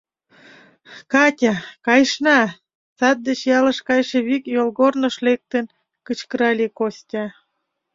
— Катя, кайышна! — сад деч ялыш кайше вик йолгорныш лектын, кычкырале Костя.